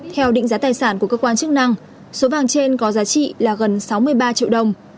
theo định giá tài sản của cơ quan chức năng số vàng trên có giá trị là gần sáu mươi ba triệu đồng